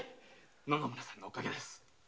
野々村様のおかげです。